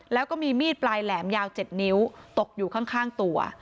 แล้วก็มีมีดปลายแหลมยาว๗นิ้วตกอยู่ข้างตัว